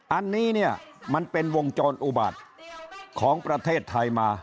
อันนี้เนี่ยมันเป็นวงจรอุบาตของประเทศไทยมา